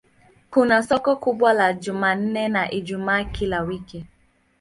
Kuna soko kubwa la Jumanne na Ijumaa kila wiki.